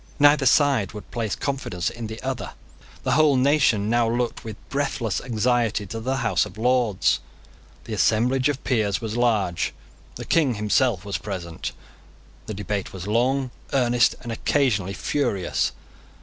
Neither side would place confidence in the other. The whole nation now looked with breathless anxiety to the House of Lords. The assemblage of peers was large. The King himself was present. The debate was long, earnest, and occasionally furious.